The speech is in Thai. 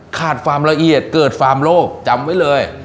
ฟาร์มละเอียดเกิดฟาร์มโลกจำไว้เลย